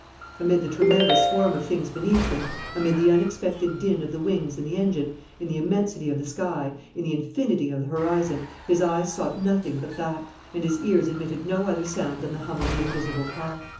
Amid the tremendous swarm of things beneath them, amid the unexpected din of the wings and the engine, in the immensity of the sky, in the infinity of the horizon, his eyes sought nothing but that, and his ears admitted no other sound than the hum of the invisible car.